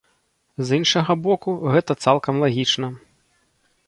З іншага боку, гэта цалкам лагічна.